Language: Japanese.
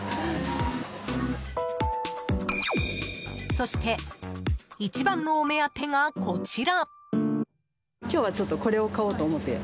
そして一番のお目当てがこちら。